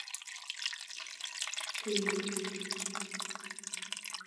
Көй.